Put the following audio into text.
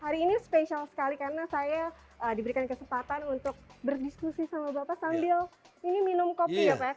hari ini spesial sekali karena saya diberikan kesempatan untuk berdiskusi sama bapak sambil ini minum kopi ya pak